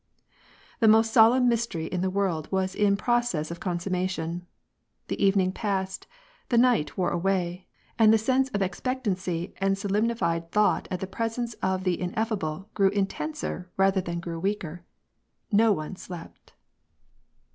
The most solemn mystery in the world was in process of consummation. The evening passed; the night wore away, and the sense of expectancy and solemnified thought at the presence of the ineffable grew in tenser rather than grew weaker, No one slept.